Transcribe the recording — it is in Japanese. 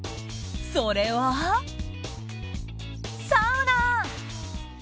それは、サウナ！